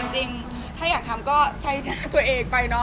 จริงถ้าอยากทำก็ใช้ตัวเองไปเนาะ